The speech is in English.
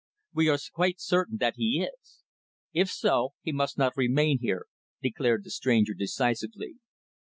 "We are quite certain that he is." "If so, he must not remain here," declared the stranger decisively.